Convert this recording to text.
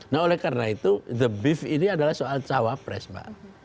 nah oleh karena itu the beef ini adalah soal cawapres mbak